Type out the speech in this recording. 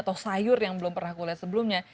atau sayur yang belum pernah kulit sebelumnya